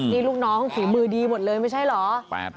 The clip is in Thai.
นี่ลูกน้องฝีมือดีหมดเลยไม่ใช่เหรอ